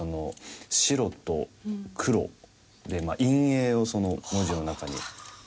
白と黒で陰影を文字の中に出すという。